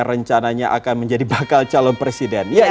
oh ada ibu sri mulyani